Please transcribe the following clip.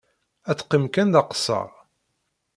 Ad teqqim kan d aqeṣṣer.